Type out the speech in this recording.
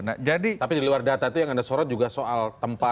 nah jadi di luar data itu yang anda sorot juga soal tempat